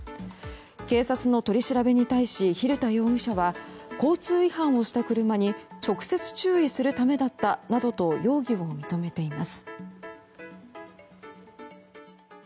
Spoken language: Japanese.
警察の取り調べに対し蛭田容疑者は交通違反をした車に直接、注意するためだったなどと容疑を認めています。